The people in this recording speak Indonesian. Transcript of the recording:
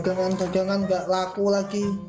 pegangan pegangan gak laku lagi